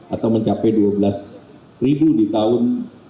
atau mencapai dua belas di tahun dua ribu tiga puluh lima